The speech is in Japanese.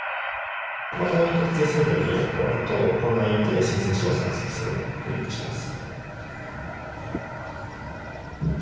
こういう形ですべての入力が終わるとこの内容で申請書を作成するをクリックします。